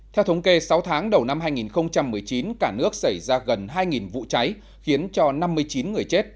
theo thống kê sáu tháng đầu năm hai nghìn một mươi chín cả nước xảy ra gần hai vụ cháy khiến cho năm mươi chín người chết